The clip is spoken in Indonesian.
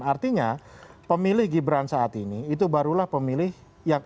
dan artinya pemilih gibran saat ini itu barulah pemilih yang